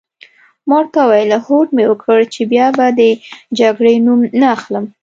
ما ورته وویل: هوډ مي وکړ چي بیا به د جګړې نوم نه اخلم.